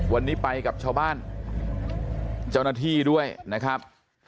วันนี้ไปกับชาวบ้านเจ้าหน้าที่ด้วยนะครับ